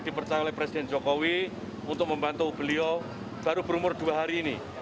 dipercaya oleh presiden jokowi untuk membantu beliau baru berumur dua hari ini